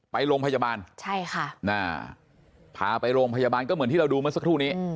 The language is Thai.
ไปโรงพยาบาลใช่ค่ะพาไปโรงพยาบาลก็เหมือนที่เราดูเมื่อสักครู่นี้